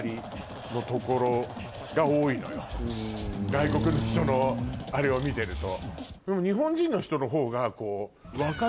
外国の人のあれを見てると。